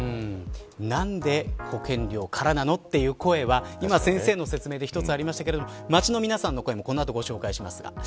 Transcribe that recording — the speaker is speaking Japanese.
何で保険料からなのという声は今の先生の説明でありましたけど街の皆さんの声もこの後、説明します。